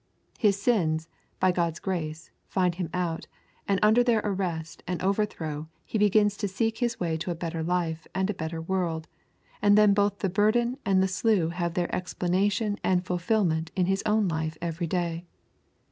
His sins, by God's grace, find him out, and under their arrest and overthrow he begins to seek his way to a better life and a better world; and then both the burden and the slough have their explanation and fulfilment in his own life every day.